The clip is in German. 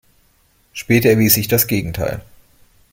Später erwies sich das Gegenteil.